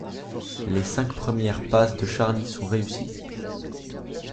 Les cinq premières passes de Charlie sont réussis.